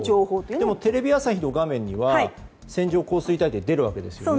でもテレビ朝日の画面には線状降水帯って出るわけですよね。